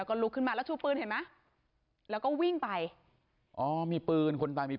ตอนนี้กำลังจะโดดเนี่ยตอนนี้กำลังจะโดดเนี่ย